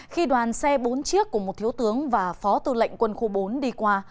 khi đoàn xe bốn chiếc của một thiếu tướng và phó tư lệnh quân khu bốn đi qua